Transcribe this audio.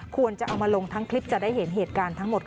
ควรจะเอามาลงทั้งคลิปจะได้เห็นเหตุการณ์ทั้งหมด